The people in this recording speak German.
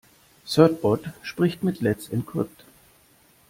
Certbot spricht mit Let's Encrypt.